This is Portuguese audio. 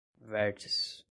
vértices